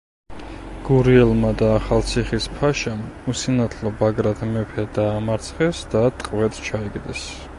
გურიელმა და ახალციხის ფაშამ უსინათლო ბაგრატ მეფე დაამარცხეს და ტყვედ ჩაიგდეს.